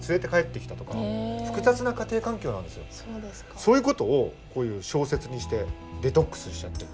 そういう事をこういう小説にしてデトックスしちゃってる。